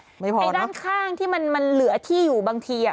ไอ้ด้านข้างที่มันเหลือที่อยู่บางทีอ่ะ